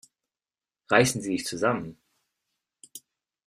Reißen Sie sich zusammen!